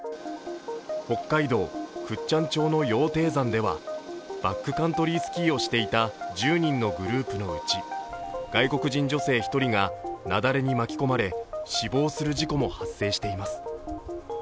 北海道倶知安町の羊蹄山ではバックカントリースキーをしていた１０人のグループのうち、外国人女性１人が雪崩に巻き込まれ死亡する事故も発生しています。